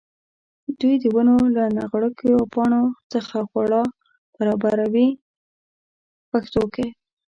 دوی د ونو له نغوړګیو او پاڼو څخه خواړه برابروي په پښتو کې.